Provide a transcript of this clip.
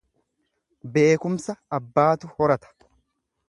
Beekumsa abbaatu horata.